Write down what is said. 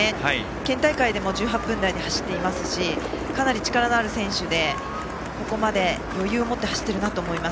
県大会でも１８分台で走っていますしかなり力のある選手でここまで余裕を持って走っているなと思います。